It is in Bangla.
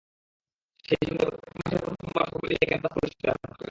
সেই সঙ্গে প্রত্যেক মাসের প্রথম সোমবার সবাই মিলে ক্যাম্পাস পরিষ্কার করবেন।